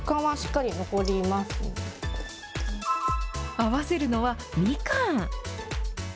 合わせるのはみかん。